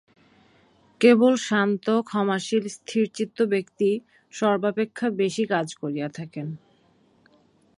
কেবল শান্ত ক্ষমাশীল স্থিরচিত্ত ব্যক্তিই সর্বাপেক্ষা বেশী কাজ করিয়া থাকেন।